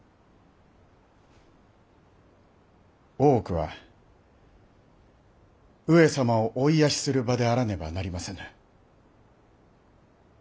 大奥は上様をお癒やしする場であらねばなりませぬ。